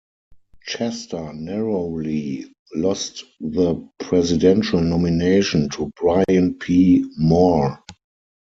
Chester narrowly lost the presidential nomination to Brian P. Moore.